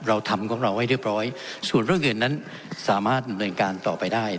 เราทำของเราให้เรียบร้อยส่วนเรื่องอื่นนั้นสามารถดำเนินการต่อไปได้